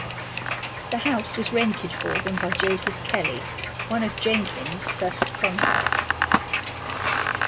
The house was rented for them by Joseph Kelly, one of Jenkins' first converts.